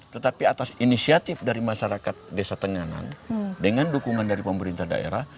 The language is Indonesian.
tetapi atas inisiatif dari masyarakat desa tenganan dengan dukungan dari pemerintah daerah